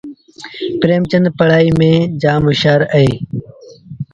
پريمچندپڙهآئيٚ ميݩ جآم هوشآر اهي